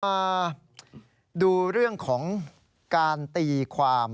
มาดูเรื่องของการตีความ